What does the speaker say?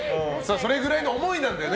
それくらいの思いなんだよね